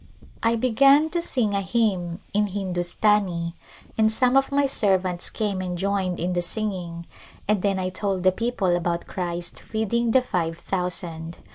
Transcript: I be gan to sing a hymn in Hindustani and some of my servants came and joined in the singing and then I told the people about Christ feeding the five thousand.